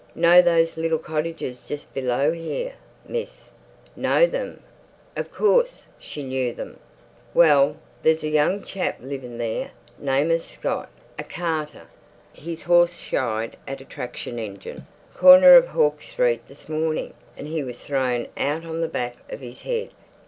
"Know those little cottages just below here, miss?" Know them? Of course, she knew them. "Well, there's a young chap living there, name of Scott, a carter. His horse shied at a traction engine, corner of Hawke Street this morning, and he was thrown out on the back of his head.